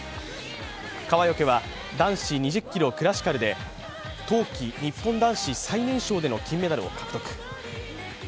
川除は男子２０ｋｍクラシカルで冬季日本男子最年少での金メダルを獲得。